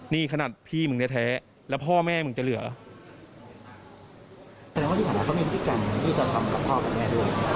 นี่ขนาดพี่มันแท้แล้วพ่อแม่มันจะเหลือหรือ